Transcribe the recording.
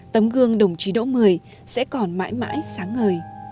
tấm gương đồng chí đỗ mười sẽ còn mãi mãi sáng ngời